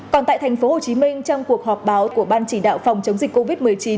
còn tại tp hcm trong cuộc họp báo của ban chỉ đạo phòng chống dịch covid một mươi chín